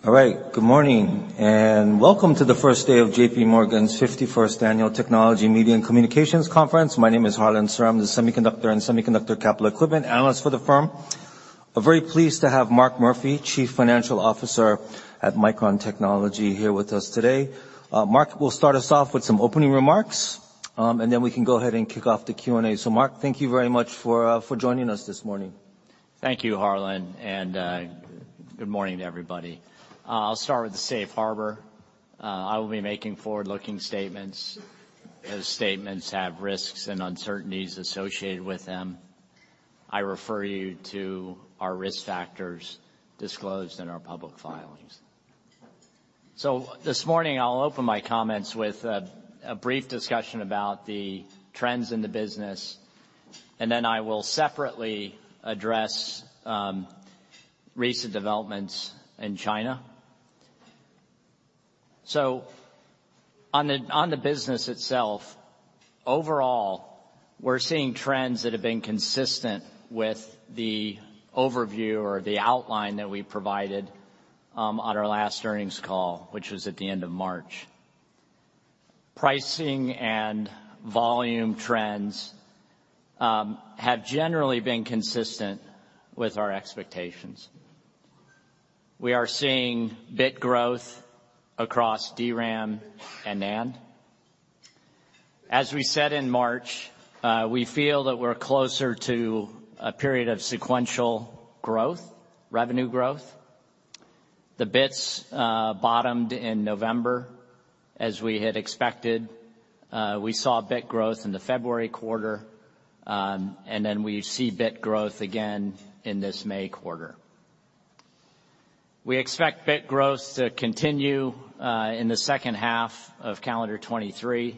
Good morning, welcome to the first day of J.P. Morgan's 51st Annual Technology Media and Communications Conference. My name is Harlan Sur, I'm the Semiconductor and Semiconductor Capital Equipment analyst for the firm. I'm very pleased to have Mark Murphy, Chief Financial Officer at Micron Technology, here with us today. Mark will start us off with some opening remarks, then we can go ahead and kick off the Q&A. Mark, thank you very much for joining us this morning. Thank you, Harlan, good morning to everybody. I'll start with the Safe Harbor. I will be making forward-looking statements. Those statements have risks and uncertainties associated with them. I refer you to our risk factors disclosed in our public filings. This morning I'll open my comments with a brief discussion about the trends in the business, and then I will separately address recent developments in China. On the business itself, overall, we're seeing trends that have been consistent with the overview or the outline that we provided on our last earnings call, which was at the end of March. Pricing and volume trends have generally been consistent with our expectations. We are seeing bit growth across DRAM and NAND. As we said in March, we feel that we're closer to a period of sequential revenue growth. The bits bottomed in November as we had expected. We saw bit growth in the February quarter, and then we see bit growth again in this May quarter. We expect bit growth to continue in the second half of calendar 2023.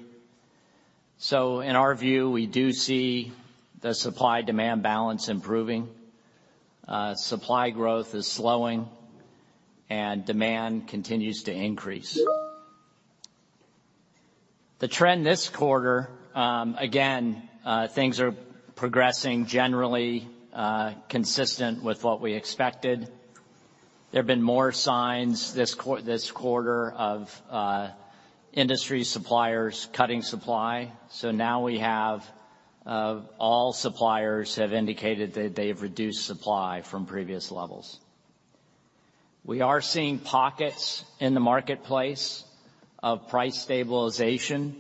In our view, we do see the supply-demand balance improving. Supply growth is slowing and demand continues to increase. The trend this quarter, again, things are progressing generally consistent with what we expected. There have been more signs this quarter of industry suppliers cutting supply, now we have all suppliers have indicated that they've reduced supply from previous levels. We are seeing pockets in the marketplace of price stabilization.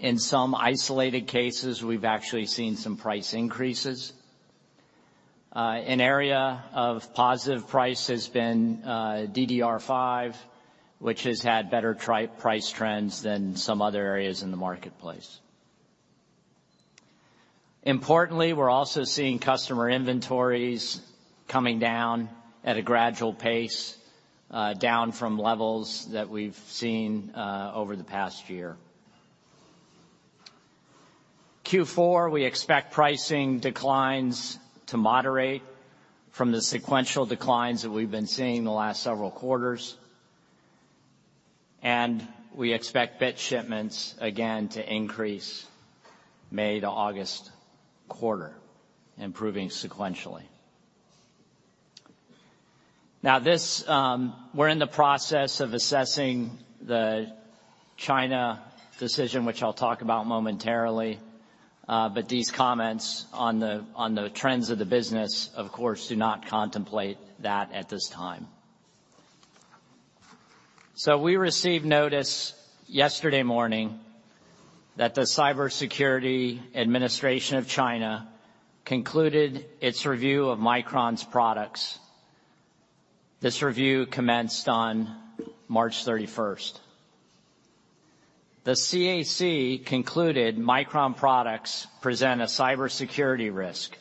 In some isolated cases, we've actually seen some price increases. An area of positive price has been DDR5, which has had better price trends than some other areas in the marketplace. Importantly, we're also seeing customer inventories coming down at a gradual pace, down from levels that we've seen over the past year. Q4, we expect pricing declines to moderate from the sequential declines that we've been seeing the last several quarters. We expect bit shipments again to increase May to August quarter, improving sequentially. Now this, we're in the process of assessing the China decision, which I'll talk about momentarily. These comments on the, on the trends of the business, of course, do not contemplate that at this time. We received notice yesterday morning that the Cyberspace Administration of China concluded its review of Micron's products. This review commenced on March 31st. The CAC concluded Micron products present a cybersecurity risk.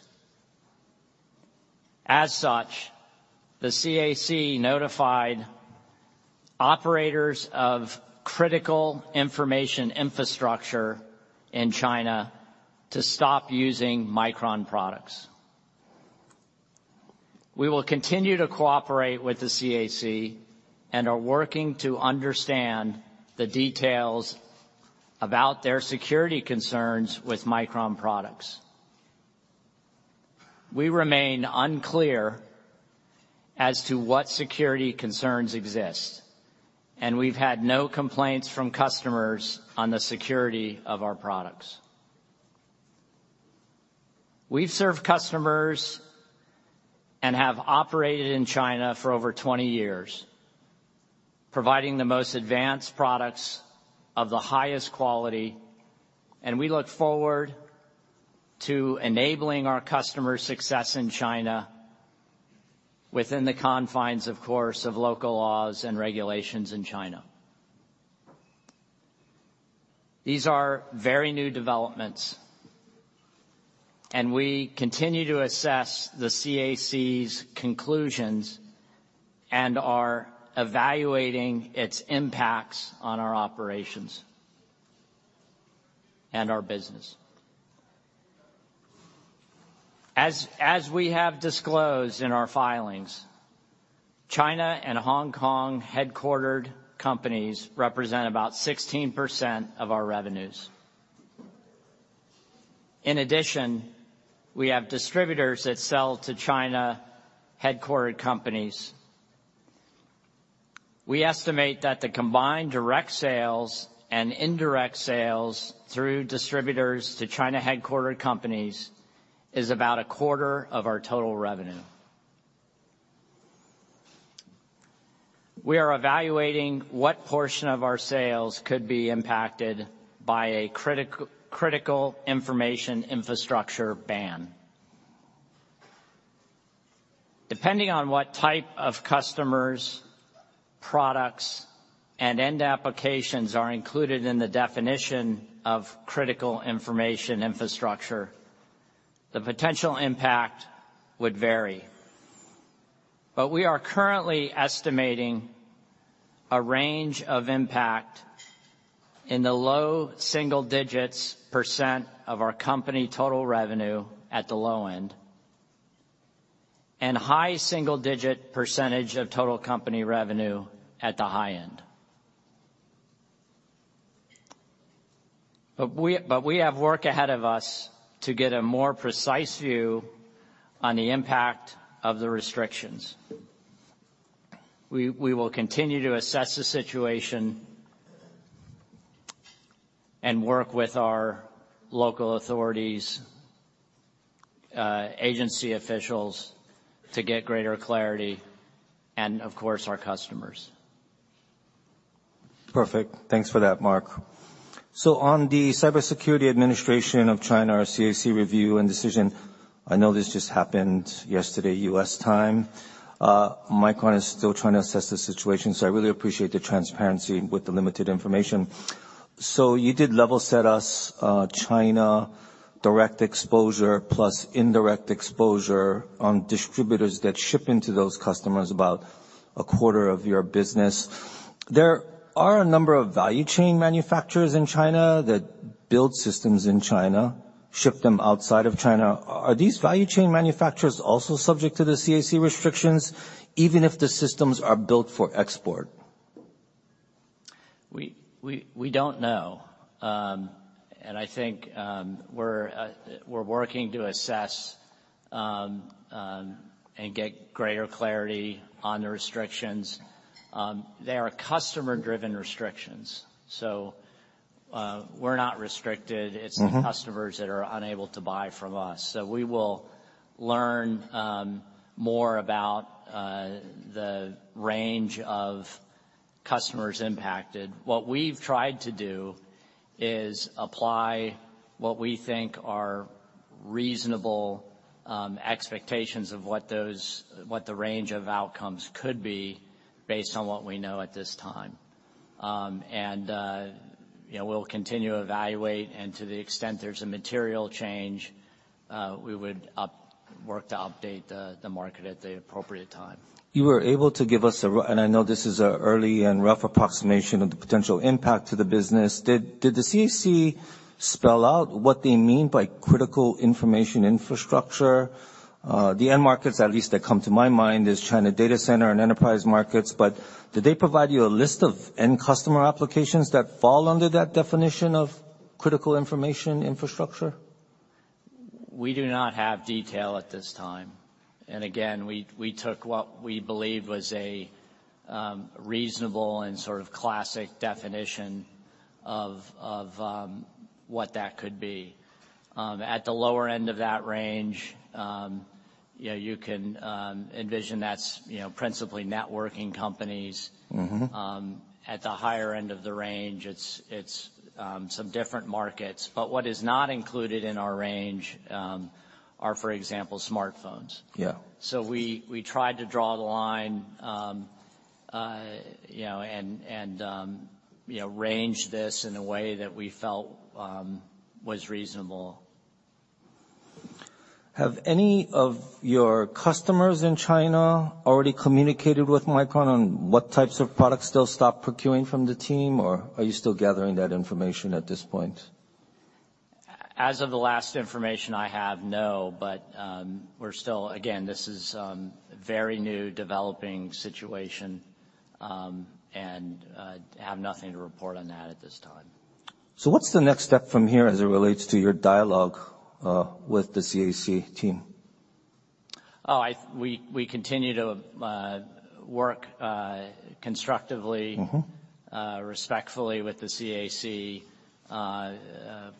As such, the CAC notified operators of critical information infrastructure in China to stop using Micron products. We will continue to cooperate with the CAC and are working to understand the details about their security concerns with Micron products. We remain unclear as to what security concerns exist, and we've had no complaints from customers on the security of our products. We've served customers and have operated in China for over 20 years, providing the most advanced products of the highest quality, and we look forward to enabling our customers' success in China within the confines, of course, of local laws and regulations in China. These are very new developments, and we continue to assess the CAC's conclusions and are evaluating its impacts on our operations and our business. As we have disclosed in our filings, China and Hong Kong headquartered companies represent about 16% of our revenues. In addition, we have distributors that sell to China-headquartered companies. We estimate that the combined direct sales and indirect sales through distributors to China-headquartered companies is about a quarter of our total revenue. We are evaluating what portion of our sales could be impacted by a critical information infrastructure ban. Depending on what type of customers, products, and end applications are included in the definition of critical information infrastructure, the potential impact would vary. We are currently estimating a range of impact in the low single digits % of our company total revenue at the low end, and high single digit % of total company revenue at the high end. We have work ahead of us to get a more precise view on the impact of the restrictions. We will continue to assess the situation and work with our local authorities, agency officials to get greater clarity and, of course, our customers. Perfect. Thanks for that, Mark. On the Cyberspace Administration of China, or CAC review and decision, I know this just happened yesterday, U.S. time. Micron is still trying to assess the situation, so I really appreciate the transparency with the limited information. You did level set us, China direct exposure plus indirect exposure on distributors that ship into those customers about a quarter of your business. There are a number of value chain manufacturers in China that build systems in China, ship them outside of China. Are these value chain manufacturers also subject to the CAC restrictions, even if the systems are built for export? We don't know. I think we're working to assess and get greater clarity on the restrictions. They are customer-driven restrictions, we're not restricted. Mm-hmm. It's the customers that are unable to buy from us. We will learn more about the range of customers impacted. What we've tried to do is apply what we think are reasonable expectations of what those, what the range of outcomes could be based on what we know at this time. You know, we'll continue to evaluate, and to the extent there's a material change, we would work to update the market at the appropriate time. You were able to give us and I know this is an early and rough approximation of the potential impact to the business. Did the CAC spell out what they mean by critical information infrastructure? The end markets, at least that come to my mind, is China data center and enterprise markets. Did they provide you a list of end customer applications that fall under that definition of critical information infrastructure? We do not have detail at this time. Again, we took what we believe was a reasonable and sort of classic definition of what that could be. At the lower end of that range, you know, you can envision that's, you know, principally networking companies. Mm-hmm. At the higher end of the range, it's, some different markets, but what is not included in our range, are, for example, smartphones. Yeah. We tried to draw the line, you know, and, you know, range this in a way that we felt, was reasonable. Have any of your customers in China already communicated with Micron on what types of products they'll stop procuring from the team, or are you still gathering that information at this point? As of the last information I have, no. Again, this is very new developing situation, and have nothing to report on that at this time. What's the next step from here as it relates to your dialogue with the CAC team? Oh, we continue to work constructively- Mm-hmm. Respectfully with the CAC,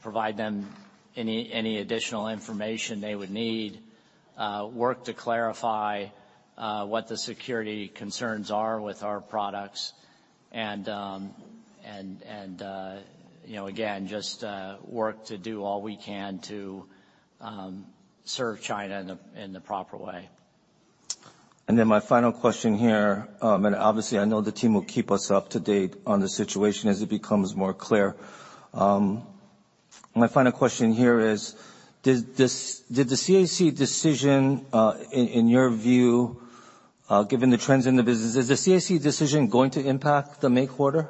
provide them any additional information they would need, work to clarify, what the security concerns are with our products and, you know, again, just, work to do all we can to, serve China in the proper way. My final question here, and obviously I know the team will keep us up to date on the situation as it becomes more clear. My final question here is, Did the CAC decision, in your view, given the trends in the business, is the CAC decision going to impact the May quarter?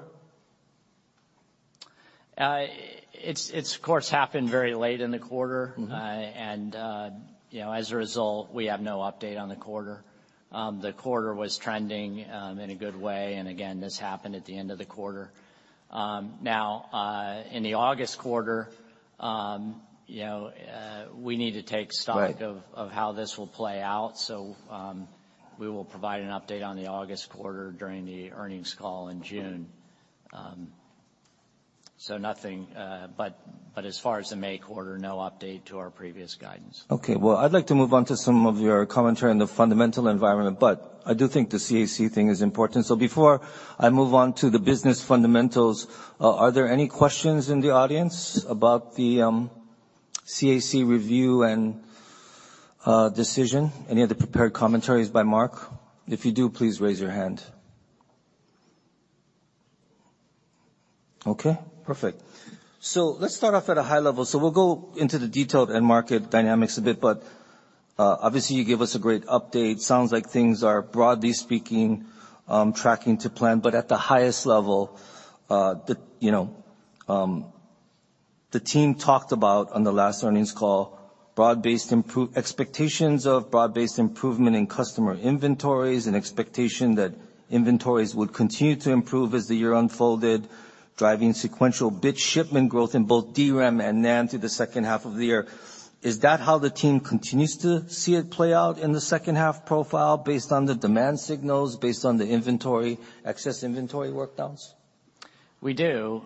It's of course happened very late in the quarter. Mm-hmm. You know, as a result, we have no update on the quarter. The quarter was trending in a good way, and again, this happened at the end of the quarter. Now, in the August quarter, you know, we need to take stock of how this will play out, so we will provide an update on the August quarter during the earnings call in June. Nothing, but as far as the May quarter, no update to our previous guidance. Well, I'd like to move on to some of your commentary on the fundamental environment, but I do think the CAC thing is important. Before I move on to the business fundamentals, are there any questions in the audience about the CAC review and decision? Any other prepared commentaries by Mark? If you do, please raise your hand. Perfect. Let's start off at a high level. We'll go into the detailed end market dynamics a bit, but obviously you gave us a great update. Sounds like things are, broadly speaking, tracking to plan, at the highest level, the, you know, the team talked about on the last earnings call, broad-based expectations of broad-based improvement in customer inventories and expectation that inventories would continue to improve as the year unfolded, driving sequential bit shipment growth in both DRAM and NAND through the second half of the year. Is that how the team continues to see it play out in the second half profile based on the demand signals, based on the inventory, excess inventory work downs? We do.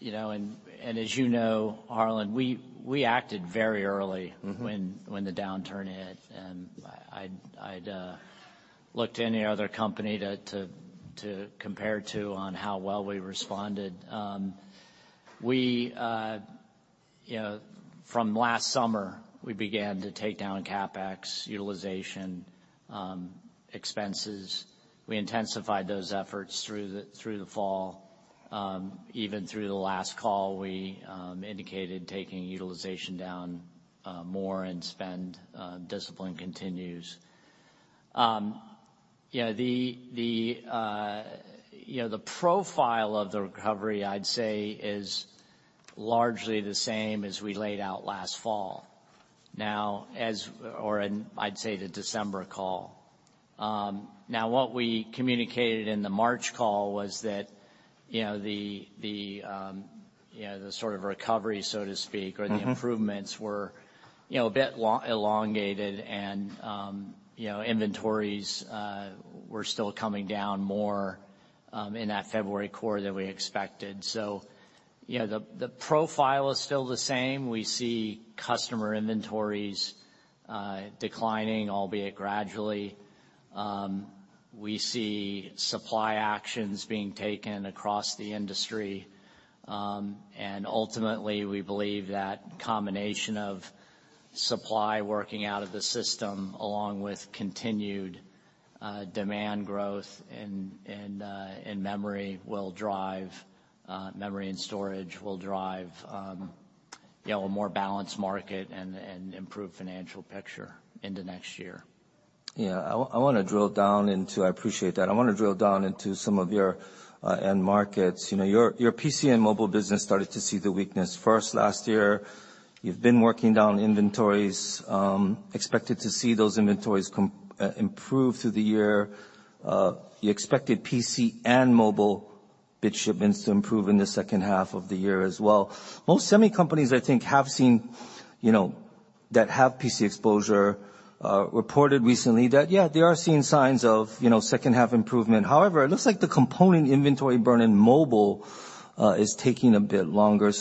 You know, and as you know, Harlan, we acted very early. Mm-hmm. When the downturn hit, I'd look to any other company to compare to on how well we responded. We, you know, from last summer, we began to take down CapEx utilization, expenses. We intensified those efforts through the fall. Even through the last call, we indicated taking utilization down more and spend discipline continues. You know, the, you know, the profile of the recovery, I'd say, is largely the same as we laid out last fall. Or in, I'd say, the December call. Now what we communicated in the March call was that, you know, the, you know, the sort of recovery, so to speak or the improvements were, you know, a bit elongated and, you know, inventories, were still coming down more, in that February quarter than we expected. You know, the profile is still the same. We see customer inventories declining, albeit gradually. We see supply actions being taken across the industry. Ultimately, we believe that combination of supply working out of the system, along with continued demand growth in memory will drive memory and storage will drive, you know, a more balanced market and improved financial picture into next year. Yeah. I wanna drill down into. I appreciate that. I wanna drill down into some of your end markets. You know, your PC and mobile business started to see the weakness first last year. You've been working down inventories, expected to see those inventories improve through the year. You expected PC and mobile bit shipments to improve in the second half of the year as well. Most semi companies, I think, have seen, you know, that have PC exposure, reported recently that, yeah, they are seeing signs of, you know, second half improvement. However, it looks like the component inventory burn in mobile is taking a bit longer.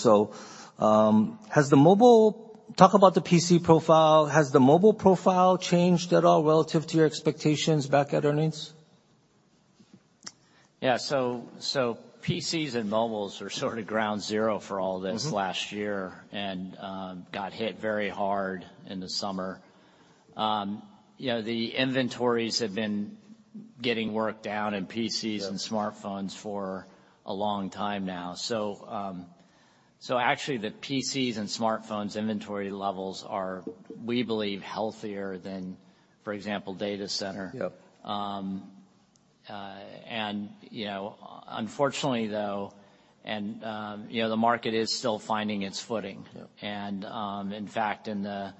Talk about the PC profile. Has the mobile profile changed at all relative to your expectations back at earnings? Yeah. PCs and mobiles are sort of ground zero for all of this. Mm-hmm. Last year, and, got hit very hard in the summer. You know, the inventories have been getting worked down in PCs and smartphones for a long time now. Actually the PCs and smartphones inventory levels are, we believe, healthier than, for example, data center. Yep. You know, unfortunately, though, and, you know, the market is still finding its footing. Yep. In fact, in the,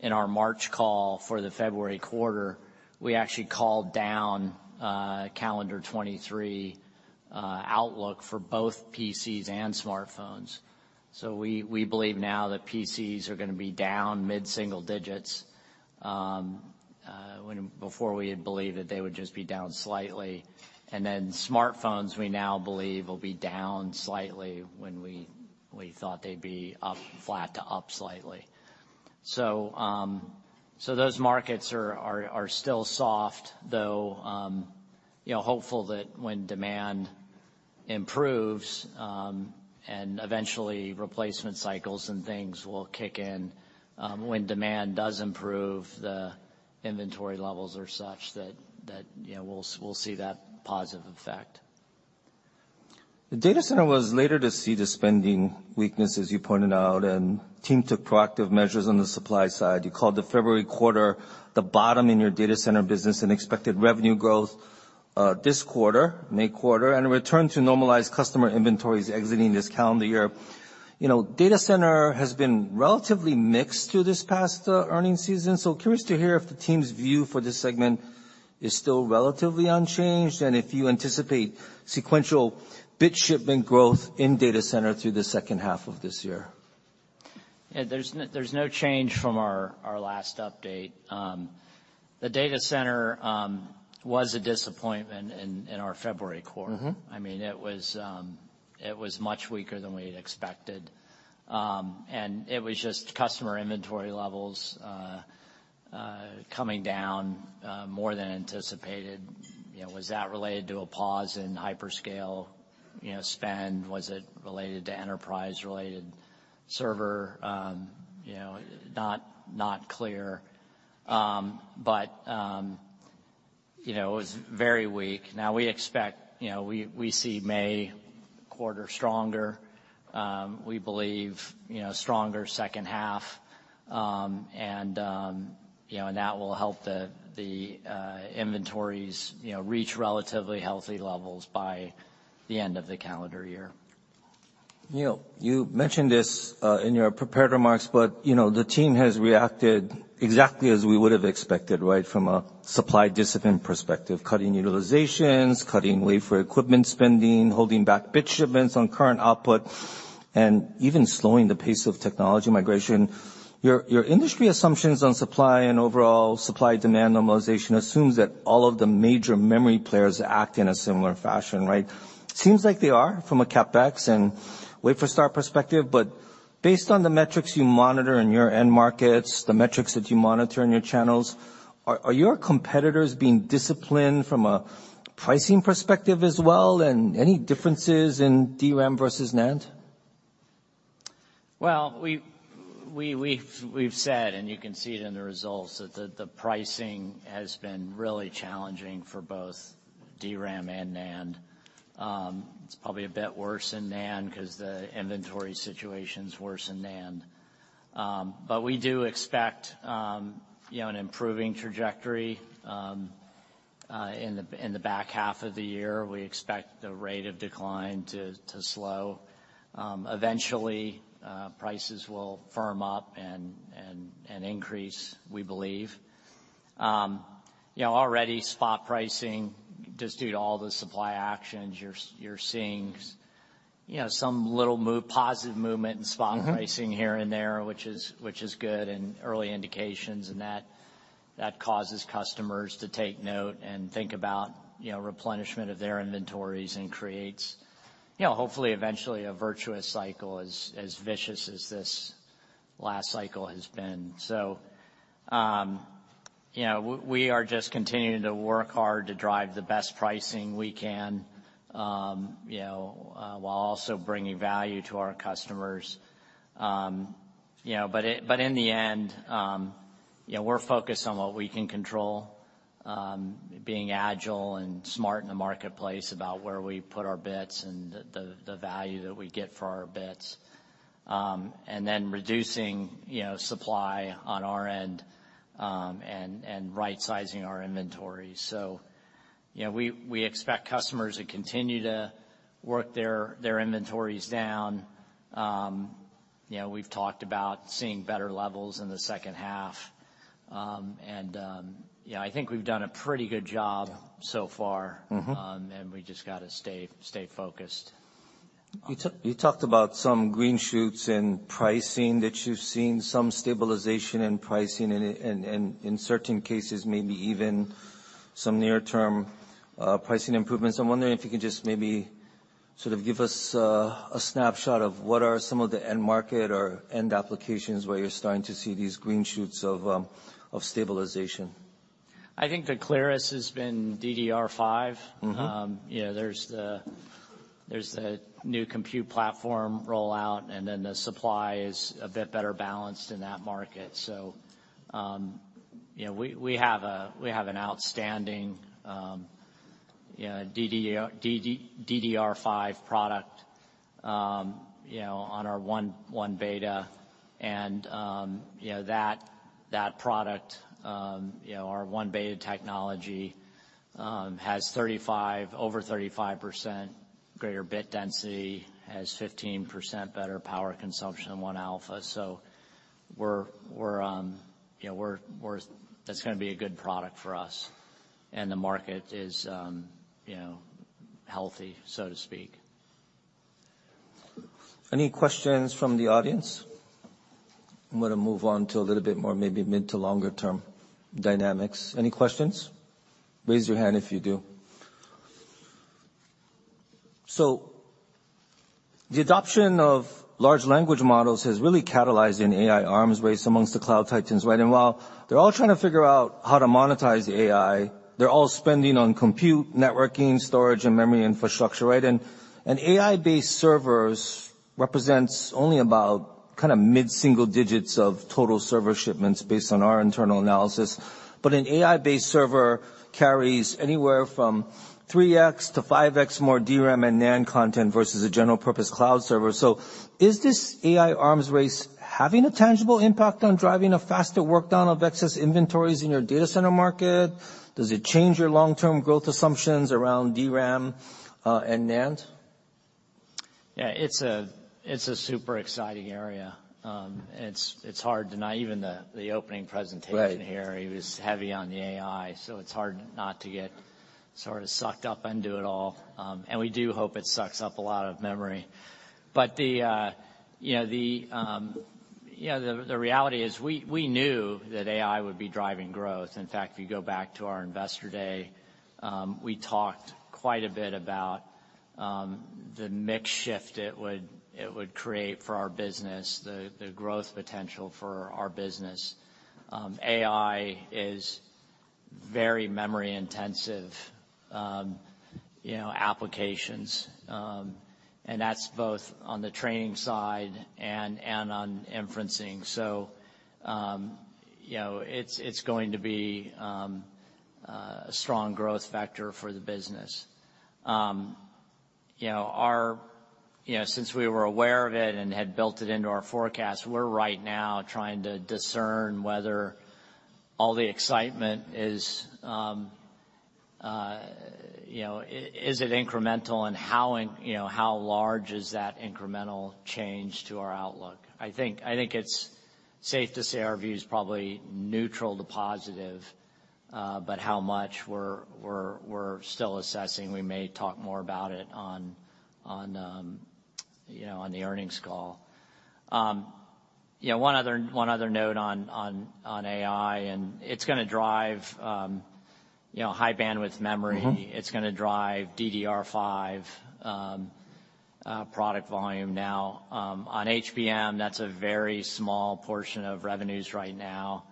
in our March call for the February quarter, we actually called down calendar 2023 outlook for both PCs and smartphones. We, we believe now that PCs are gonna be down mid-single digits when before we had believed that they would just be down slightly. Then smartphones, we now believe, will be down slightly when we thought they'd be up, flat to up slightly. Those markets are still soft, though, you know, hopeful that when demand improves, and eventually replacement cycles and things will kick in, when demand does improve, the inventory levels are such that, you know, we'll see that positive effect. The data center was later to see the spending weakness, as you pointed out, and team took proactive measures on the supply side. You called the February quarter the bottom in your data center business and expected revenue growth, this quarter, May quarter, and a return to normalized customer inventories exiting this calendar year. You know, data center has been relatively mixed through this past earnings season. Curious to hear if the team's view for this segment is still relatively unchanged and if you anticipate sequential bit shipment growth in data center through the second half of this year. Yeah, there's no change from our last update. The data center was a disappointment in our February quarter. Mm-hmm. I mean, it was much weaker than we expected. It was just customer inventory levels coming down more than anticipated. You know, was that related to a pause in hyperscale, you know, spend? Was it related to enterprise-related server? You know, not clear. You know, it was very weak. We expect, you know, we see May quarter stronger, we believe, you know, stronger second half. You know, that will help the inventories, you know, reach relatively healthy levels by the end of the calendar year. You know, you mentioned this in your prepared remarks, but, you know, the team has reacted exactly as we would have expected, right? From a supply discipline perspective, cutting utilizations, cutting wafer equipment spending, holding back bit shipments on current output, and even slowing the pace of technology migration. Your industry assumptions on supply and overall supply-demand normalization assumes that all of the major memory players act in a similar fashion, right? Seems like they are from a CapEx and wafer start perspective. But based on the metrics you monitor in your end markets, the metrics that you monitor in your channels, are your competitors being disciplined from a pricing perspective as well, and any differences in DRAM versus NAND? Well, we've said, and you can see it in the results, that the pricing has been really challenging for both DRAM and NAND. It's probably a bit worse in NAND 'cause the inventory situation's worse in NAND. We do expect, you know, an improving trajectory in the back half of the year. We expect the rate of decline to slow. Eventually, prices will firm up and increase, we believe. You know, already spot pricing, just due to all the supply actions, you're seeing you know, some little positive movement in spot. Mm-hmm. Pricing here and there, which is good and early indications, and that causes customers to take note and think about, you know, replenishment of their inventories and creates, you know, hopefully eventually a virtuous cycle as vicious as this last cycle has been. We are just continuing to work hard to drive the best pricing we can, you know, while also bringing value to our customers. You know, but in the end, you know, we're focused on what we can control, being agile and smart in the marketplace about where we put our bets and the value that we get for our bets. Reducing, you know, supply on our end, and right-sizing our inventory. You know, we expect customers to continue to work their inventories down. You know, we've talked about seeing better levels in the second half. You know, I think we've done a pretty good job so far. Mm-hmm. We just gotta stay focused. You talked about some green shoots in pricing that you've seen, some stabilization in pricing and in certain cases, maybe even some near-term pricing improvements. I'm wondering if you can just maybe sort of give us a snapshot of what are some of the end market or end applications where you're starting to see these green shoots of stabilization. I think the clearest has been DDR5. Mm-hmm. You know, there's the, there's the new compute platform rollout, and then the supply is a bit better balanced in that market. You know, we have a, we have an outstanding, you know, DDR5 product, you know, on our 1-beta and, you know, that product, you know, our 1-beta technology, has over 35% greater bit density, has 15% better power consumption than 1-alpha. We're, you know, that's gonna be a good product for us, and the market is, you know, healthy, so to speak. Any questions from the audience? I'm gonna move on to a little bit more maybe mid to longer term dynamics. Any questions? Raise your hand if you do. The adoption of large language models has really catalyzed an AI arms race amongst the cloud titans, right? While they're all trying to figure out how to monetize AI, they're all spending on compute, networking, storage, and memory infrastructure, right? AI-based servers represents only about kinda mid-single digits of total server shipments based on our internal analysis. An AI-based server carries anywhere from 3x-5x more DRAM and NAND content versus a general purpose cloud server. Is this AI arms race having a tangible impact on driving a faster work down of excess inventories in your data center market? Does it change your long-term growth assumptions around DRAM and NAND? Yeah, it's a super exciting area. It's hard to not even the opening presentation. Right. Here, it was heavy on the AI. It's hard not to get sort of sucked up into it all. We do hope it sucks up a lot of memory. The, you know, the, you know, the reality is we knew that AI would be driving growth. In fact, if you go back to our Investor Day, we talked quite a bit about the mix shift it would create for our business, the growth potential for our business. AI is very memory intensive, you know, applications. That's both on the training side and on inferencing. You know, it's going to be a strong growth factor for the business. You know, since we were aware of it and had built it into our forecast, we're right now trying to discern whether all the excitement is, you know, is it incremental, and you know, how large is that incremental change to our outlook. I think, I think it's safe to say our view is probably neutral to positive, but how much we're still assessing. We may talk more about it on, you know, on the earnings call. You know, one other note on AI, and it's gonna drive, you know, high-bandwidth memory. Mm-hmm. It's gonna drive DDR5 product volume now. On HBM, that's a very small portion of revenues right now.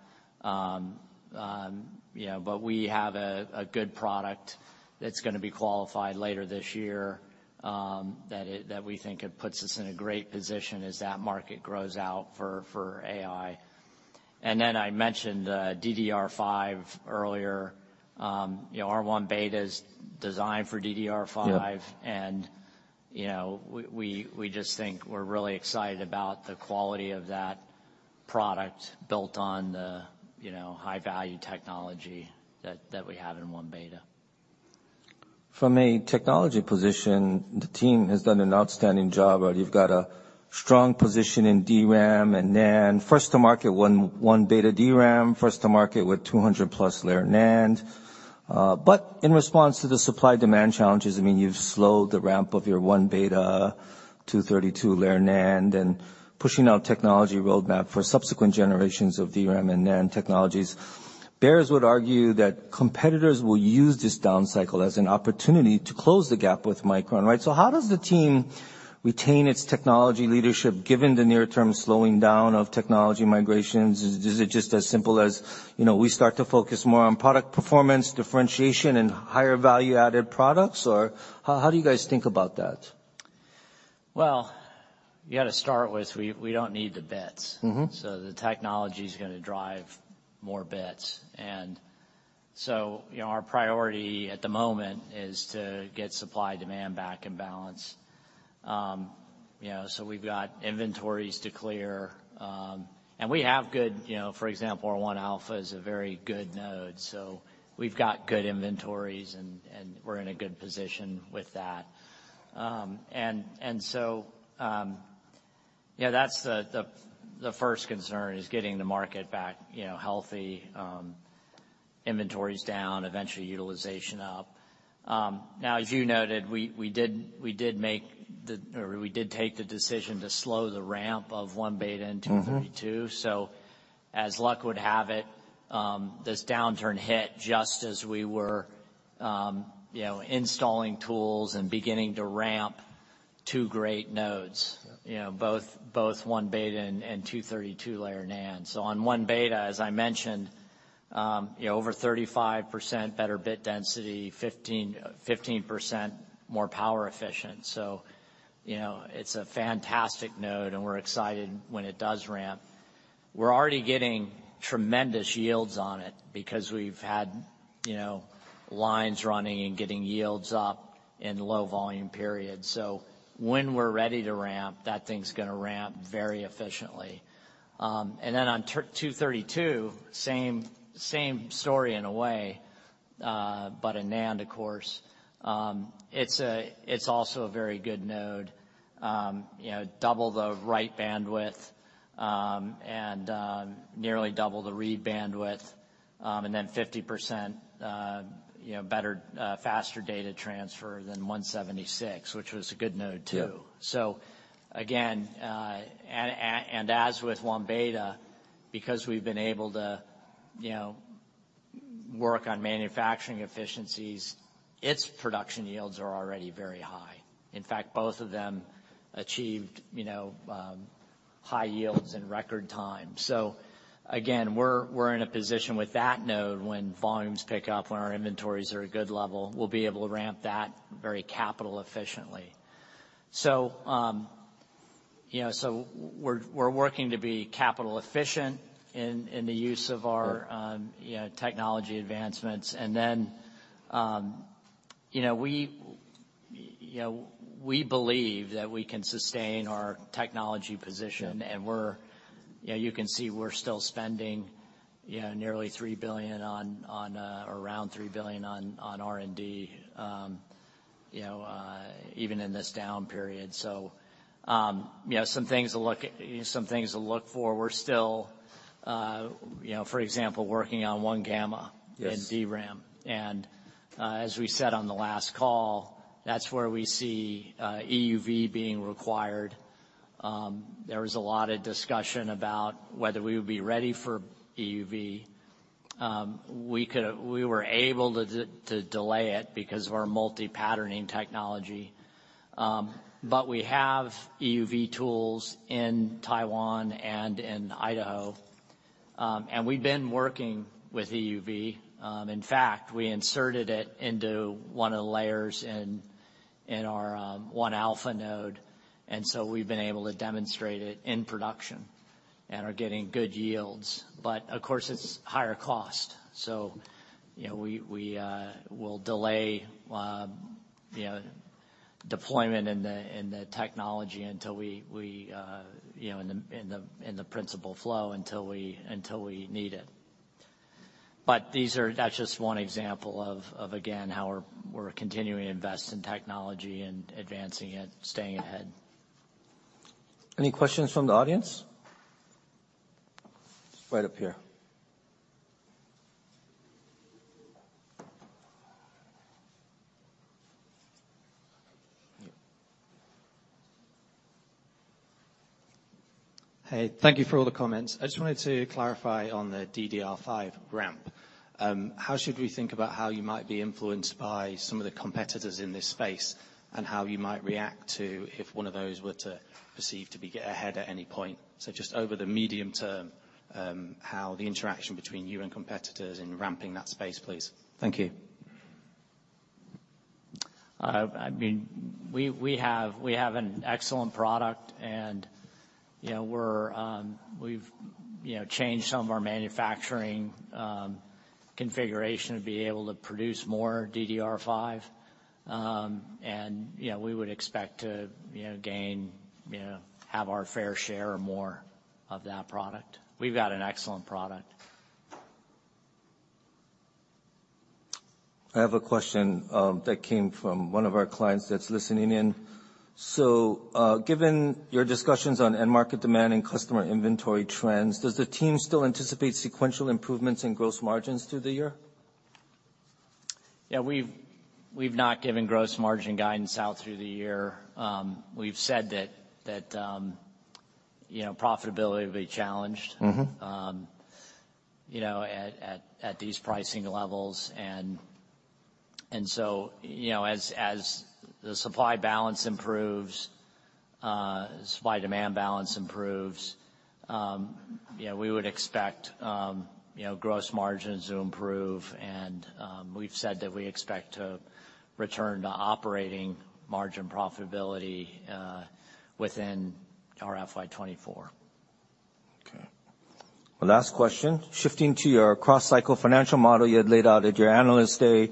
you know, but we have a good product that's gonna be qualified later this year, that we think it puts us in a great position as that market grows out for AI. I mentioned DDR5 earlier. you know, 1-beta is designed for DDR5. Yeah. You know, we just think we're really excited about the quality of that product built on the, you know, high-value technology that we have in 1-beta. From a technology position, the team has done an outstanding job, right? You've got a strong position in DRAM and NAND. First to market 1-beta DRAM, first to market with 200+ layer NAND. In response to the supply-demand challenges, I mean, you've slowed the ramp of your 1-beta, 232-layer NAND, and pushing out technology roadmap for subsequent generations of DRAM and NAND technologies. Bears would argue that competitors will use this down cycle as an opportunity to close the gap with Micron, right? How does the team retain its technology leadership given the near-term slowing down of technology migrations? Is it just as simple as, you know, we start to focus more on product performance, differentiation, and higher value-added products? How do you guys think about that? You gotta start with we don't need the bits. Mm-hmm. The technology's gonna drive more bits. Our priority at the moment is to get supply-demand back in balance. You know, we've got inventories to clear. We have good. You know, for example, our 1-alpha is a very good node, so we've got good inventories and we're in a good position with that. You know, that's the first concern, is getting the market back, you know, healthy, inventories down, eventually utilization up. Now, as you noted, we did take the decision to slow the ramp of 1-beta and 232-layer. Mm-hmm. As luck would have it, this downturn hit just as we were, you know, installing tools and beginning to ramp two great nodes. You know, both 1-beta and 232-layer NAND. On 1-beta, as I mentioned, you know, over 35% better bit density, 15% more power efficient. You know, it's a fantastic node, and we're excited when it does ramp. We're already getting tremendous yields on it because we've had, you know, lines running and getting yields up in low volume periods. When we're ready to ramp, that thing's gonna ramp very efficiently. On 232-layer, same story in a way, but a NAND of course. It's also a very good node. You know, double the write bandwidth, and nearly double the read bandwidth. 50%, you know, better, faster data transfer than 176-layer, which was a good node too. Again, and as with 1-beta, because we've been able to, you know, work on manufacturing efficiencies, its production yields are already very high. In fact, both of them achieved, you know, high yields in record time. Again, we're in a position with that node when volumes pick up, when our inventories are at a good level, we'll be able to ramp that very capital efficiently. You know, so we're working to be capital efficient in the use of, you know, technology advancements. You know, we, you know, we believe that we can sustain our technology position. Yeah. We're, you know, you can see we're still spending. Yeah, nearly $3 billion on R&D, you know, even in this down period. You have some things to look for. We're still, you know, for example, working on 1-gamma in DRAM. As we said on the last call, that's where we see EUV being required. There was a lot of discussion about whether we would be ready for EUV. We were able to delay it because of our multi-patterning technology. We have EUV tools in Taiwan and in Idaho. We've been working with EUV. In fact, we inserted it into one of the layers in our 1-alpha node. We've been able to demonstrate it in production and are getting good yields. Of course, it's higher cost. You know, we will delay, you know, deployment in the technology until we, you know, in the principal flow until we need it. That's just one example of, again, how we're continuing to invest in technology and advancing it, staying ahead. Any questions from the audience? Right up here. Hey, thank you for all the comments. I just wanted to clarify on the DDR5 ramp. How should we think about how you might be influenced by some of the competitors in this space, and how you might react to if one of those were to perceive to be ahead at any point? Just over the medium term, how the interaction between you and competitors in ramping that space, please? Thank you. I mean, we have an excellent product and, you know, we're, we've, you know, changed some of our manufacturing, configuration to be able to produce more DDR5. You know, we would expect to, you know, gain, you know, have our fair share or more of that product. We've got an excellent product. I have a question that came from one of our clients that's listening in. Given your discussions on end market demand and customer inventory trends, does the team still anticipate sequential improvements in gross margins through the year? Yeah, we've not given gross margin guidance out through the year. We've said that, you know, profitability will be challenged. Mm-hmm. You know, at these pricing levels. You know, as the supply balance improves, supply-demand balance improves, you know, we would expect, you know, gross margins to improve. We've said that we expect to return to operating margin profitability, within our FY 2024. Okay. One last question. Shifting to your cross-cycle financial model you had laid out at your Analyst Day,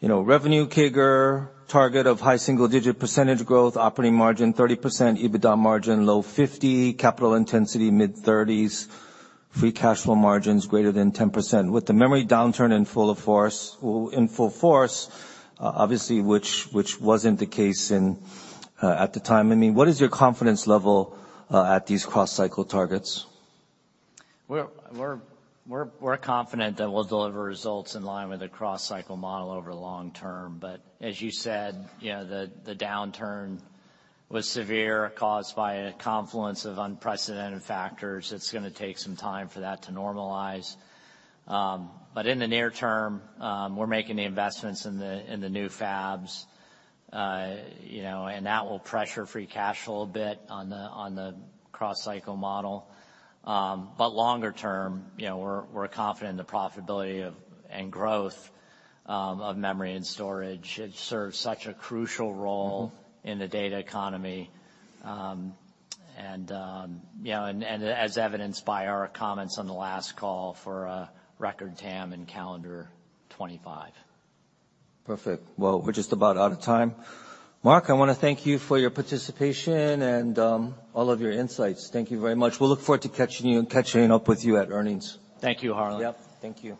you know, revenue CAGR target of high single-digit % growth, operating margin 30%, EBITDA margin low 50%, capital intensity mid-30s, free cash flow margins greater than 10%. With the memory downturn in full force, obviously, which wasn't the case at the time. I mean, what is your confidence level at these cross-cycle targets? We're confident that we'll deliver results in line with the cross-cycle model over the long term. As you said, you know, the downturn was severe, caused by a confluence of unprecedented factors. It's gonna take some time for that to normalize. In the near term, we're making the investments in the new fabs, you know, and that will pressure free cash flow a bit on the cross-cycle model. Longer term, you know, we're confident the profitability of, and growth, of memory and storage. It serves such a crucial role in the data economy. And, you know, and as evidenced by our comments on the last call for a record TAM in calendar 25. Perfect. Well, we're just about out of time. Mark, I wanna thank you for your participation and all of your insights. Thank you very much. We'll look forward to catching up with you at earnings. Thank you, Harlan. Yep. Thank you.